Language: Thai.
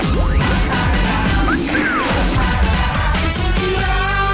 สุขสุขที่รัก